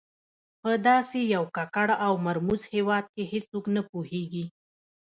په داسې یو ککړ او مرموز هېواد کې هېڅوک نه پوهېږي.